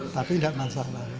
tapi tidak masalah